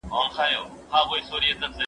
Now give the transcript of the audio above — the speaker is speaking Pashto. دولتي ادارې باید خلکو ته خدمت وکړي.